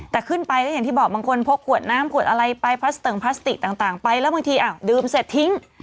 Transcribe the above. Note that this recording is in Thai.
แต่ขึ้นไปก็อย่างที่บอกบางคนพกขวดน้ำขวดอะไรไปพลาสติงพลาสติกต่างไปแล้วบางทีดื่มเสร็จทิ้ง